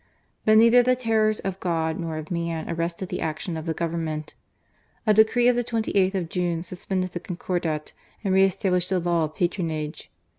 But neither the terrors of God nor of man arrested the action of the Government. A decree of the 28th of June suspended the Concordat and re established the law of patronage.